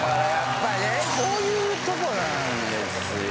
こういうとこなんですよね。